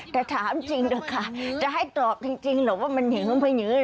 แต่ถามจริงด้วยค่ะจะให้ตอบจริงหรือว่ามันเหนือมันไม่เหนือ